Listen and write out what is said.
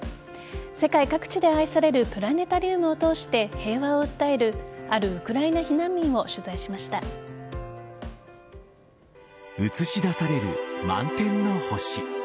世界各地で愛されるプラネタリウムを通して平和を訴えるあるウクライナ避難民を映し出される満天の星。